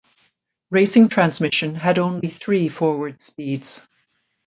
Racing transmission had only three forward speeds.